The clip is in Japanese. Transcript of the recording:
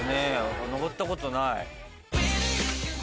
上ったことない。